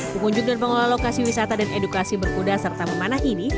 pengunjung dan pengelola lokasi wisata dan edukasi berkuda serta memanah ini